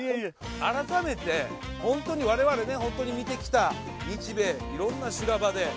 改めてホントに我々見てきた日米いろんな修羅場で。